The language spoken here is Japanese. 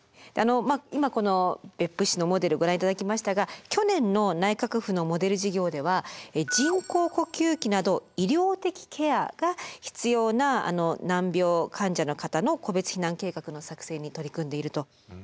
今この別府市のモデルご覧頂きましたが去年の内閣府のモデル事業では人工呼吸器など医療的ケアが必要な難病患者の方の個別避難計画の作成に取り組んでいるということです。